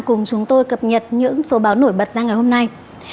cùng chúng tôi cập nhật những số báo nổi bật ra ngày hôm nay